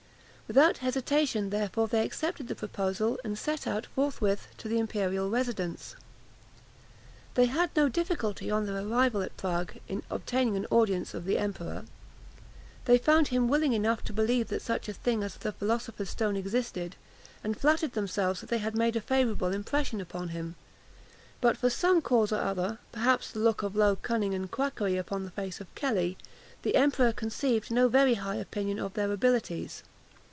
Without hesitation, therefore, they accepted the proposal, and set out forthwith to the imperial residence. They had no difficulty, on their arrival at Prague, in obtaining an audience of the emperor. They found him willing enough to believe that such a thing as the philosopher's stone existed, and flattered themselves that they had made a favourable impression upon him; but, from some cause or other perhaps the look of low cunning and quackery upon the face of Kelly the emperor conceived no very high opinion of their abilities.